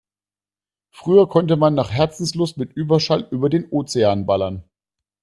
Früher konnte man nach Herzenslust mit Überschall über den Ozean ballern.